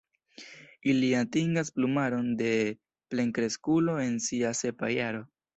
Ili atingas plumaron de plenkreskulo en sia sepa jaro.